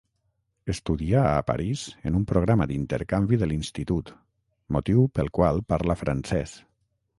Estudià a París en un programa d'intercanvi de l'Institut, motiu pel qual parla francès.